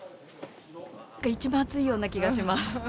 一番暑いような気がします。